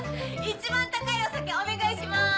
一番高いお酒お願いします！